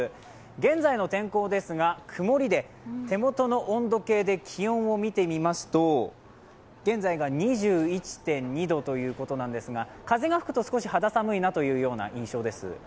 現在の天候ですが曇りで、手元の温度計で気温を見てみますと現在が２１．２度ということなんですが、風が吹くと少し肌寒いなという印象です。